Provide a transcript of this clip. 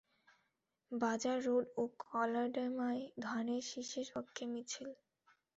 বাজার রোড ও কলাডেমায় ধানের শীষের পক্ষে মিছিল।